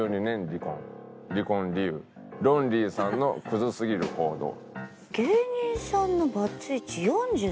離婚理由ロンリーさんのクズすぎる行動」